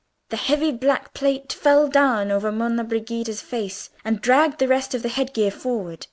The heavy black plait fell down over Monna Brigida's face, and dragged the rest of the head gear forward.